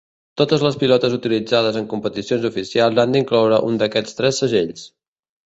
Totes les pilotes utilitzades en competicions oficials han d'incloure un d'aquests tres segells.